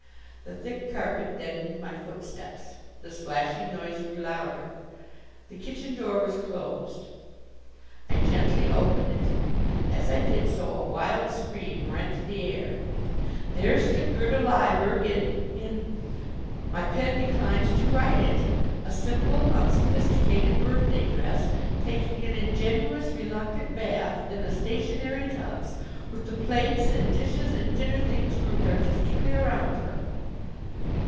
The thick carpet deadened my footsteps. The splashing noise grew louder. The kitchen door was closed. I gently opened it. As I did so a wild scream rent the air. There stood Gerda Lyberg in in my pen declines to write it a simple unsophisticated birthday dress, taking an ingenuous reluctant bath in the "stationary tubs," with the plates, and dishes, and dinner things grouped artistically around her!